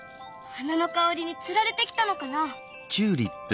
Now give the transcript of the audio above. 花の香りにつられて来たのかな？